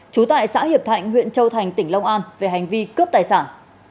trú tại xã hiệp thạnh huyện châu thành tỉnh long an về hành vi cướp tài sản